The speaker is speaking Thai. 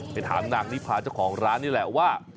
ไปถามนางนิพาเจ้าของร้านนี่แหละว่า